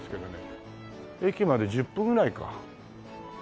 駅まで１０分ぐらいか。